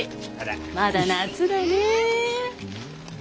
まだ夏だねえ。